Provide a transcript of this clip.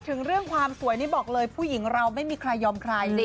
ถึงเรื่องความสวยนี่บอกเลยผู้หญิงเราไม่มีใครยอมใคร